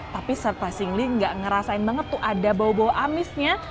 tapi serta singling nggak ngerasain banget tuh ada bau bau amisnya